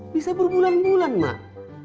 bisa berbulan bulan mak